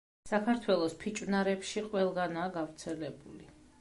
საქართველოს ფიჭვნარებში ყველგანაა გავრცელებული.